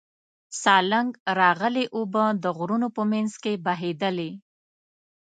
سالنګ راغلې اوبه د غرونو په منځ کې بهېدلې.